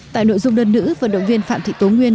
tại nội dung đơn nữ vận động viên phạm thị tố nguyên